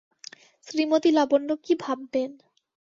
শ্রীমতী লাবণ্য কী ভাববেন।